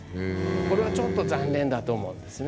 これはちょっと残念だと思うんですね。